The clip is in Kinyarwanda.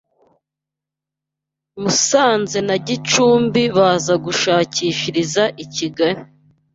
Musanze na Gicumbi baza gushakishiriza i Kigali